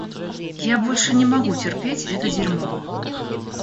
Я больше не могу терпеть это дерьмо.